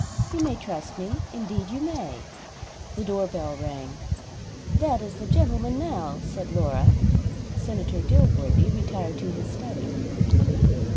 You may trust me indeed you may." The door bell rang. "That is the gentleman now," said Laura. Senator Dilworthy retired to his study.